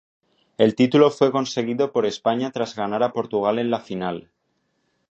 El título fue conseguido por España tras ganar a Portugal en la final.